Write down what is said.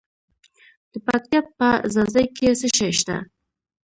د پکتیا په ځاځي کې څه شی شته؟